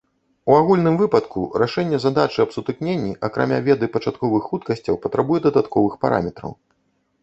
У агульным выпадку рашэнне задачы аб сутыкненні акрамя веды пачатковых хуткасцяў патрабуе дадатковых параметраў.